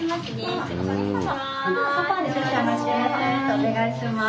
お願いします。